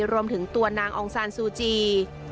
รวมถึงตัวนางองซานซูจี